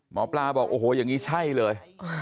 หมอปราบอกอย่างนี้ใช่เลย